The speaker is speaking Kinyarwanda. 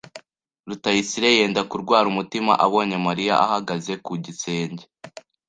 Rutayisire yenda kurwara umutima abonye Mariya ahagaze ku gisenge.